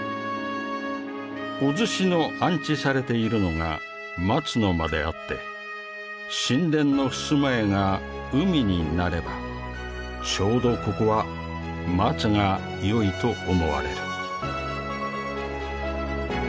「お厨子の安置されているのが松の間であって宸殿の襖絵が海になれば丁度ここは松が良いと思われる」。